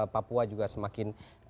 papua juga semakin